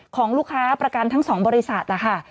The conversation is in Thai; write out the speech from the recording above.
ของลูกค้าประกันทั้ง๒บริษัทนะคะ